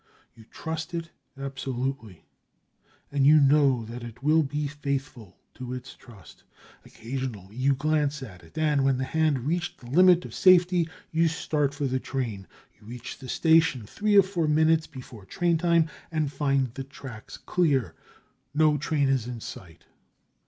You trust it absolutely, and you know that it will be faithful to its trust. Occasionally you glance at it and, when the hand reached the limit of safety, you start for the train. You reach the station three or four minutes before train time and find the tracks clear; no train is in sight.